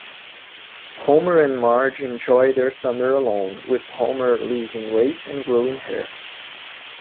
Homer and Marge enjoy their summer alone, with Homer losing weight and growing hair.